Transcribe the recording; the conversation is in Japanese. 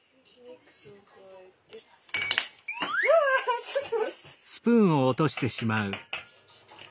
わちょっと。